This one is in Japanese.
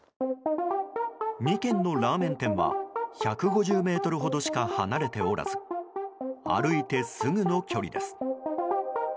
２軒のラーメン店は１５０ｍほどしか離れておらず歩いてすぐの距離です。